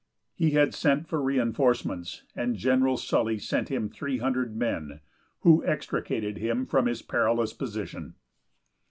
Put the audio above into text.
He had sent for reenforcements, and General Sully sent him three hundred men, who extricated him from his perilous position.